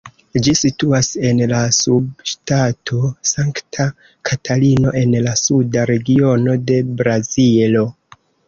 Ĝi situas en la subŝtato Sankta Katarino, en la suda regiono de Brazilo.